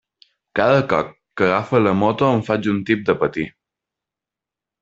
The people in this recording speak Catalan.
Cada cop que agafa la moto em faig un tip de patir.